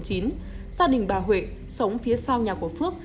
gia đình bà huệ sống phía sau nhà của phước